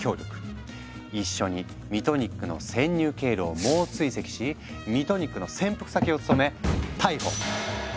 一緒にミトニックの潜入経路を猛追跡しミトニックの潜伏先を突き止め逮捕！